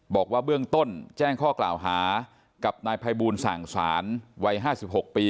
บอกว่าเบื้องต้นแจ้งข้อกล่าวหากับนายภัยบูลสั่งสารวัย๕๖ปี